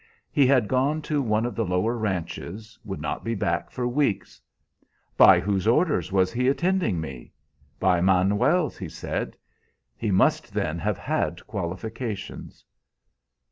He had gone to one of the lower ranches, would not be back for weeks. By whose orders was he attending me? By Manuel's, he said. He must then have had qualifications.